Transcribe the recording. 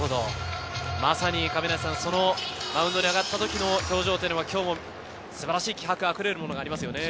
まさにマウンドに上がった時の表情は今日も素晴らしい気迫溢れるものがありますね。